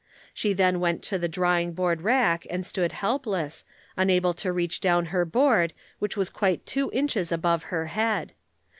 She then went to the drawing board rack and stood helpless, unable to reach down her board, which was quite two inches above her head.